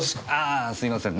あすいませんね。